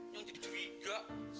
yang jadi duiga